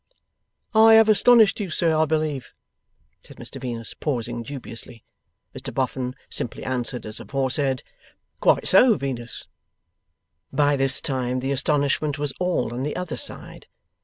'I have astonished you, sir, I believe?' said Mr Venus, pausing dubiously. Mr Boffin simply answered as aforesaid: 'Quite so, Venus.' By this time the astonishment was all on the other side.